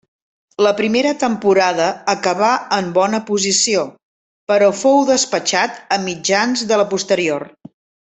La primera temporada acabà en bona posició, però fou despatxat a mitjans de la posterior.